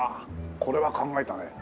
これは考えたね。